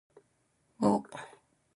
うおっ。